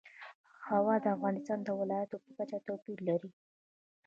هوا د افغانستان د ولایاتو په کچه توپیر لري.